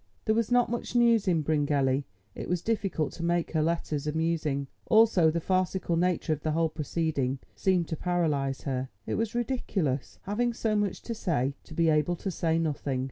There was not much news in Bryngelly; it was difficult to make her letters amusing. Also the farcical nature of the whole proceeding seemed to paralyse her. It was ridiculous, having so much to say, to be able to say nothing.